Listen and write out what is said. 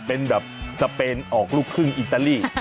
เป็นแบบสเปนออกลูกครึ่งอิตาลี